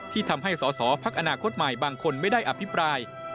ที่ทำให้สอสอพักอนาคตใหม่บางคนไม่ได้อภิปราย